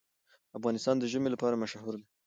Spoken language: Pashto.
افغانستان د ژمی لپاره مشهور دی.